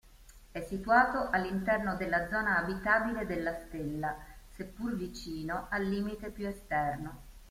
È situato all'interno della zona abitabile della stella, seppur vicino al limite più esterno.